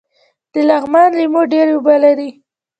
د لغمان لیمو ډیر اوبه لري